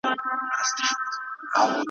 مګر تا له خلکو نه دي اورېدلي؟ ,